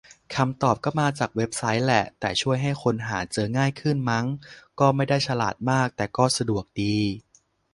คำตอบก็มาจากเว็บไซต์แหละ แต่ช่วยให้คนหาเจอง่ายขึ้น มั้ง ก็ไม่ได้ฉลาดมาก แต่ก็สะดวกดี